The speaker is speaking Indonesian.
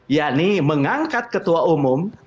ya ini mengangkat ketua umum